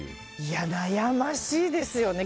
悩ましいですよね。